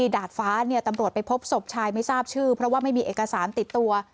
ดาดฟ้าตำรวจไปพบศพชายไม่ทราบชื่อเพราะว่าไม่มีเอกสารติดตัว